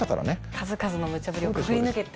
数々のムチャブリをくぐり抜けて。